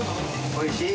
おいしい？